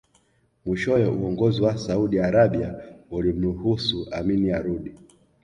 Mwishowe uongozi wa Saudi Arabia ulimruhusu Amin arudi